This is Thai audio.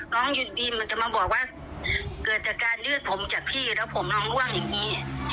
อยู่ดีมันจะมาบอกว่าเกิดจากการยืดผมจากพี่แล้วผมน้องร่วงอย่างนี้